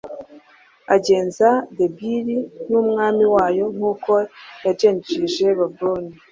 agenza debiri n'umwami wayo nk'uko yagenjeje heburoni